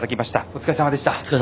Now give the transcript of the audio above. お疲れさまでした。